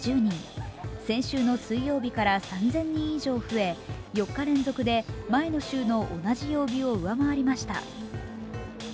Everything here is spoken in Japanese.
先週の水曜日から３０００人以上増え、４日連続で前の週の同じ曜日を上回りました。